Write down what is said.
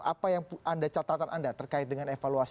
apa catatan anda terkait dengan evaluasi